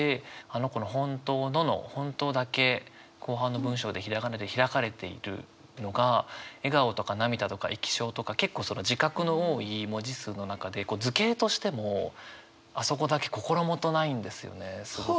「あの子のほんとうの」の「ほんとう」だけ後半の文章でひらがなで開かれているのが「笑顔」とか「涙」とか「液晶」とか結構その字画の多い文字数の中で図形としてもあそこだけ心もとないんですよね。